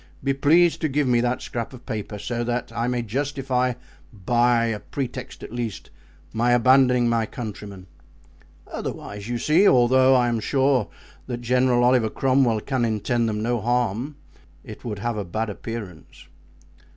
Be pleased to give me that scrap of paper so that I may justify, by a pretext at least, my abandoning my countrymen. Otherwise, you see, although I am sure that General Oliver Cromwell can intend them no harm, it would have a bad appearance."